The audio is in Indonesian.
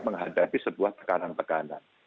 menghadapi sebuah tekanan tekanan